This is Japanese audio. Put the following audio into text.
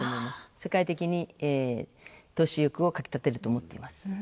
世界的に投資欲をかき立てると思います。